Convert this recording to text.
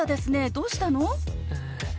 どうしたの？